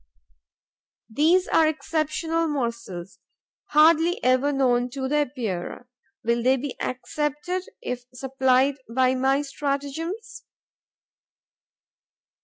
These are exceptional morsels, hardly ever known to the Epeirae. Will they be accepted, if supplied by my stratagems?